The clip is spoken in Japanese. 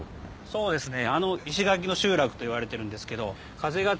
そうですね。